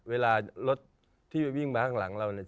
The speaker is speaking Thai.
เวลารถที่วิ่งมาข้างหลังเราเนี่ย